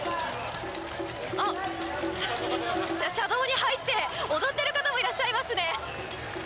車道に入って踊っている方もいらっしゃいますね。